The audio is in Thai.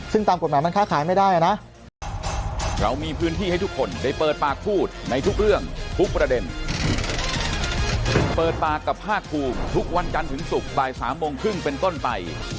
ซึ่งตามกฎหมายมันค้าขายไม่ได้นะ